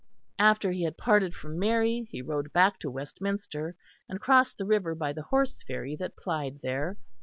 After he had parted from Mary he rode back to Westminster, and crossed the river by the horse ferry that plied there.